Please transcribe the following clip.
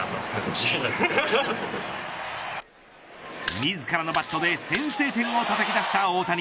自らのバットで先制点をたたき出した大谷。